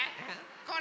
これ！